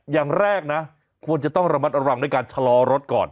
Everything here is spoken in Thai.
อย่างแรกนะควรจะต้องระมัดระวังด้วยการชะลอรถก่อน